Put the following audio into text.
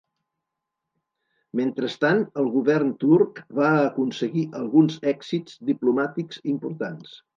Mentrestant el govern turc va aconseguir alguns èxits diplomàtics importants.